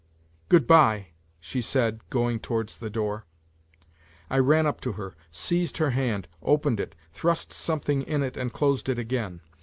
" Good bye," she said, going towards the door. I ran up to her, seized her hand, opened it, thrust something in it and closed it again.